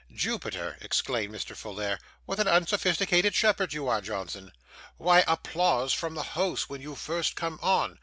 'Jupiter!' exclaimed Mr. Folair, 'what an unsophisticated shepherd you are, Johnson! Why, applause from the house when you first come on.